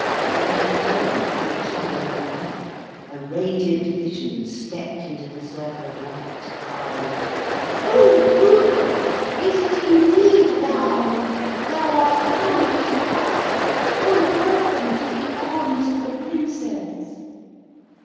Next moment from the shadows on the bank a radiant vision stepped into the circle of light, crying 'Oh! Rudel, is it indeed thou? Thou art come at last. O welcome to the arms of the Princess!'